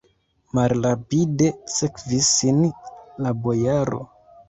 Malrapide sekvis ŝin la bojaro.